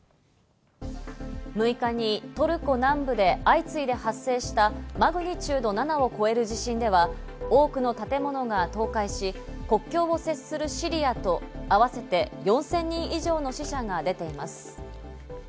６日にトルコ南部で相次いで発生したマグニチュード７を超える地震では、多くの建物が倒壊し、国境を接するシリアと合わせて４０００人以上の死者が出ています。